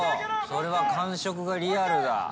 それは感触がリアルだ。